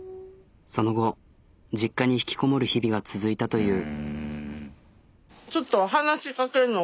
その後実家に引きこもる日々が続いたという。